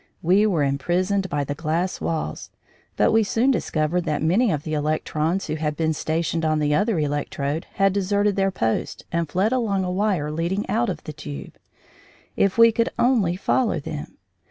We were imprisoned by the glass walls, but we soon discovered that many of the electrons who had been stationed on the other electrode had deserted their posts and fled along a wire leading out of the tube. If we could only follow them.